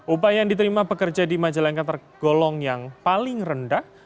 upaya yang diterima pekerja di majalengka tergolong yang paling rendah